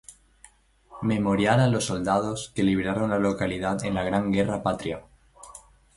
Memorial a los soldados que liberaron la localidad en la Gran Guerra Patria.